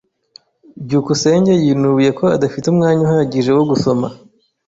byukusenge yinubiye ko adafite umwanya uhagije wo gusoma.